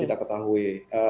tidak kami ketahui